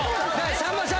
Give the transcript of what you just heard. さんまさん